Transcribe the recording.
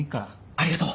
ありがとう。